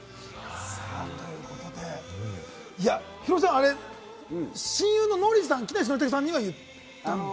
ヒロミさん、あれ、親友のノリさん・木梨憲武さんには言ったんですか？